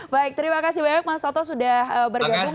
baik terima kasih banyak mas toto sudah bergabung